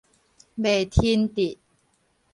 袂伨得